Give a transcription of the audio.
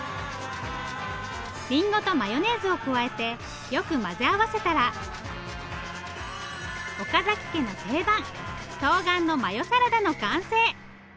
りんごとマヨネーズを加えてよく混ぜ合わせたら岡家の定番とうがんのマヨサラダの完成。